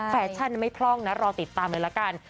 แฟชั่นไม่พร่องนะรอติดตามเลยละกัน